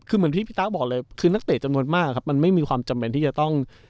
คือเหมือนที่พี่ตั๊กบอกเลยคือนักเตะจำนวนมากครับมันไม่มีความจำเป็นที่จะต้อง